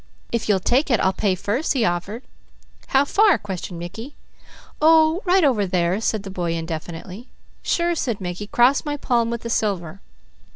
"If you'll take it, I'll pay first," he offered. "How far?" questioned Mickey. "Oh, right over here," said the boy indefinitely. "Sure!" said Mickey. "Cross my palm with the silver."